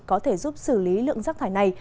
có thể giúp xử lý lượng rác thải này